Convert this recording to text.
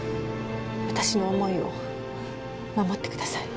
私の思いを護ってください。